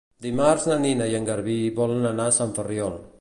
Dimarts na Nina i en Garbí volen anar a Sant Ferriol.